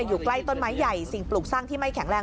อยู่ใกล้ต้นไม้ใหญ่สิ่งปลูกสร้างที่ไม่แข็งแรง